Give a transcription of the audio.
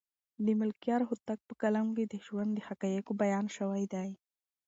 د ملکیار هوتک په کلام کې د ژوند د حقایقو بیان شوی دی.